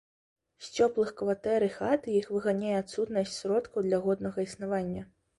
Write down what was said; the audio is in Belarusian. З цёплых кватэр і хат іх выганяе адсутнасць сродкаў для годнага існавання.